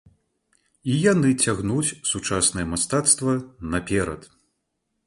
І яны цягнуць сучаснае мастацтва наперад.